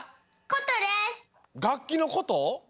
がっきのこと？